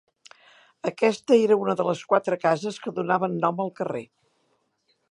Aquesta era una de les quatre cases que donaven nom al carrer.